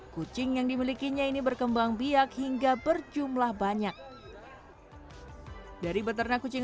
kucing yang dimilikinya ini berkembang biak hingga berjumlah banyak dari beternak kucing